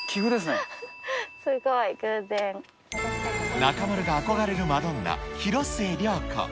中丸が憧れるマドンナ、広末涼子。